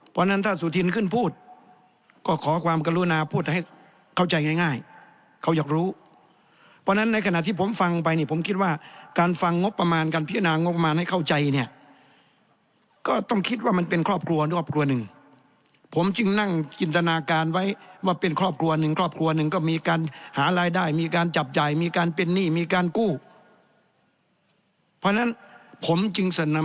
เพราะฉะนั้นถ้าสุธินขึ้นพูดก็ขอความกรุณาพูดให้เข้าใจง่ายเขาอยากรู้เพราะฉะนั้นในขณะที่ผมฟังไปนี่ผมคิดว่าการฟังงบประมาณการพิจารณางบประมาณให้เข้าใจเนี่ยก็ต้องคิดว่ามันเป็นครอบครัวครอบครัวหนึ่งผมจึงนั่งจินตนาการไว้ว่าเป็นครอบครัวหนึ่งครอบครัวหนึ่งก็มีการหารายได้มีการจับจ่ายมีการเป็นหนี้มีการกู้เพราะฉะนั้นผมจึงเสนอ